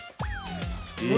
え！